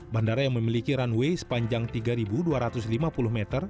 bandara yang memiliki runway sepanjang tiga dua ratus lima puluh meter